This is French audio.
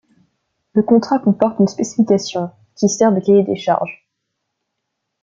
Le contrat comporte une spécification, qui sert de cahier des charges.